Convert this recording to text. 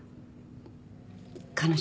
彼女